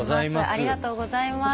ありがとうございます。